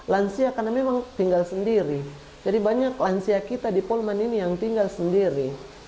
lansia karena memang tinggal sendiri jadi banyak lansia kita di polman ini yang tinggal sendiri